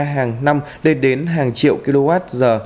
hàng năm đến hàng triệu kwh